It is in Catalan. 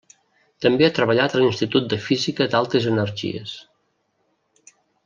També ha treballat a l'Institut de Física d'Altes Energies.